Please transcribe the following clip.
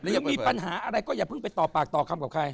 ยังมีปัญหาอะไรก็อย่าเพิ่งไปต่อปากต่อคำกับใคร